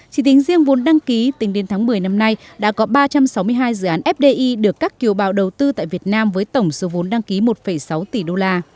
chỉ tính riêng vốn đăng ký tính đến tháng một mươi năm nay đã có ba trăm sáu mươi hai dự án fdi được các kiều bào đầu tư tại việt nam với tổng số vốn đăng ký một sáu tỷ đô la